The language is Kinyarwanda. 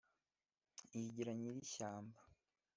yigira nyirishyamba